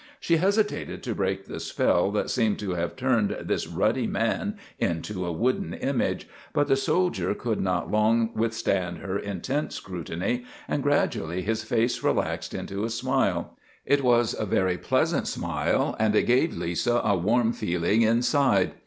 She hesitated to break the spell that seemed to have turned this ruddy man into a wooden image, but the soldier could not long withstand her intent scrutiny and gradually his face relaxed into a smile. It was a very pleasant smile and it gave Lisa a warm feeling inside.